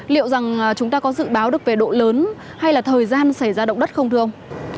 liệu rằng chúng ta có dự báo được về độ lớn hay là thời gian xảy ra động đất không thưa ông